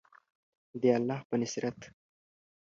د الله په نصرت.